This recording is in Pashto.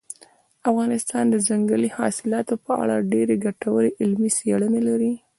افغانستان د ځنګلي حاصلاتو په اړه ډېرې ګټورې علمي څېړنې لري.